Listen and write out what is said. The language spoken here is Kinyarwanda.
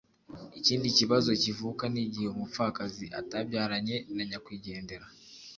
ikindi kibazo kivuka n’igihe umupfakazi atabyaranye na nyakwigendera.